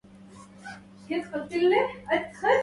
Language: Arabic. رب فوارة خلال مروج